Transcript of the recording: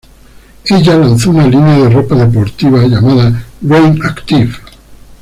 Ella lanzó una línea de ropa deportiva llamada Ren Active.